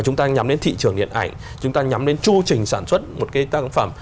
chúng ta nhắm đến thị trường điện ảnh chúng ta nhắm đến chu trình sản xuất một cái tác phẩm